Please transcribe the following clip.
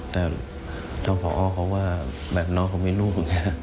แต่ทางผอเขาว่าแบบน้องเขามีลูก